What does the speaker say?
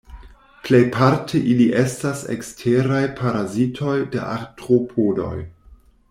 Plejparte ili estas eksteraj parazitoj de artropodoj.